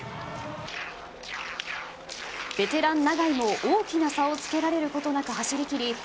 ベテラン永井も、大きな差をつけられることなく走り切り